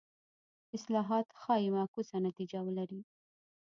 اصلاحات ښايي معکوسه نتیجه ولري.